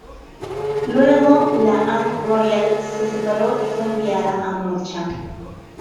Luego la "Anne Royal" se separó y fue enviada a Mocha.